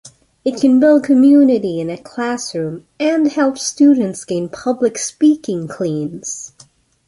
It can build community in a classroom and help students gain public speaking cleans.